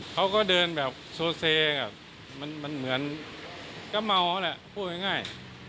เขาก็เดินแบบโซเซมันเหมือนก็เมาแหละพูดง่าย